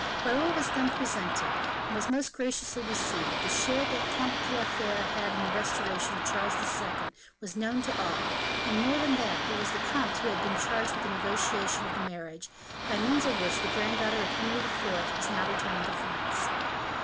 Raoul was then presented, and was most graciously received; the share that the Comte de la Fere had had in the restoration of Charles II. was known to all; and, more than that, it was the comte who had been charged with the negotiation of the marriage, by means of which the granddaughter of Henry IV. was now returning to France.